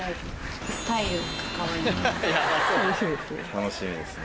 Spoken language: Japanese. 楽しみですね。